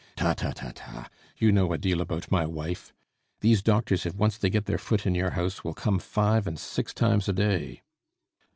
"Ta, ta, ta, ta! you know a deal about my wife! These doctors, if they once get their foot in your house, will come five and six times a day."